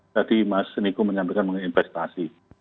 tadi mas niko menyampaikan menginvestasi